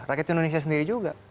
rakyat indonesia sendiri juga